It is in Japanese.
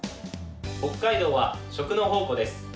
北海道は食の宝庫です。